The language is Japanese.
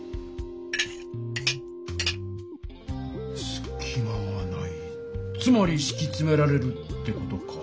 すきまがないつまりしきつめられるって事か。